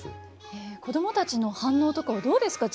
子供たちの反応とかはどうですか？